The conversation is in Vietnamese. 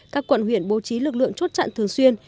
các quận huyện bố trí lực lượng chốt chặn thường xuyên